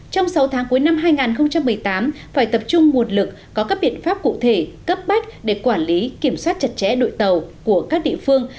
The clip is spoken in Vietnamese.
trong sáu tháng cuối năm hai nghìn một mươi tám phải tập trung nguồn lực có các biện pháp cụ thể cấp bách để quản lý kiểm soát chặt chẽ đội tàu của các địa phương